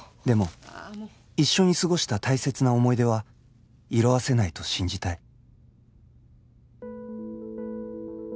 でも一緒に過ごした大切な思い出は色あせないと信じたい